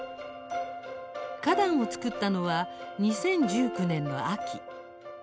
花壇を作ったのは２０１９年の秋。